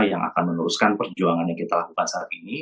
yang akan meneruskan perjuangan yang kita lakukan saat ini